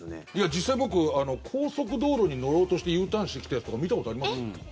実際、僕高速道路に乗ろうとしてＵターンしてきたやつとか見たことありますよ。